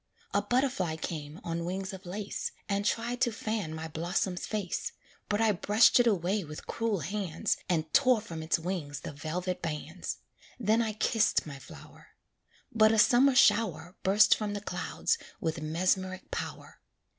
A butterfly came on wings of lace, And tried to fan my blossom's face; But I brushed it away with cruel hands, And tore from its wings the velvet bands; Then I kissed my flower; But a summer shower Burst from the clouds with mesmeric power.